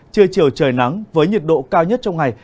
trưa chiều trời nắng với nhiệt độ cao nhất trong ngày